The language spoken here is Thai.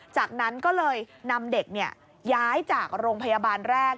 จากนั้นก็เลยนำเด็กย้ายจากโรงพยาบาลแรก